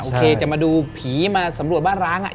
โอเคจะมาดูผีมาสำรวจบ้านร้างอ่ะ